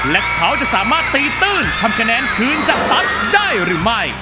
และเขาจะสามารถตีตื้นทำคะแนนคืนจากตั๊กได้หรือไม่